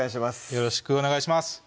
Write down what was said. よろしくお願いします